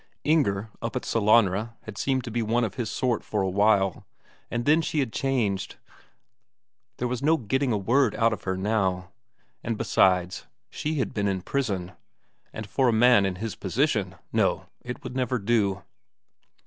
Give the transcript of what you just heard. Inger up at Sellanraa had seemed to be one of his sort for a while, but then she had changed there was no getting a word out of her now. And besides, she had been in prison; and for a man in his position no, it would never do.